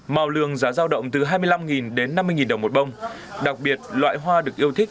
màu lường giá giao động từ hai mươi năm đến năm mươi đồng một bông đặc biệt loại hoa được yêu thích